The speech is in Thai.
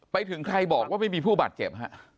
ไปถึงใครบอกว่าไม่มีผู้บาดเจ็บฮะ